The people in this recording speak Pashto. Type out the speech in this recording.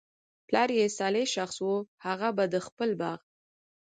پلار ئي صالح شخص وو، هغه به د خپل باغ